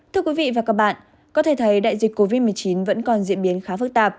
thưa quý vị và các bạn có thể thấy đại dịch covid một mươi chín vẫn còn diễn biến khá phức tạp